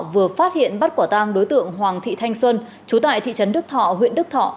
vừa phát hiện bắt quả tang đối tượng hoàng thị thanh xuân chú tại thị trấn đức thọ huyện đức thọ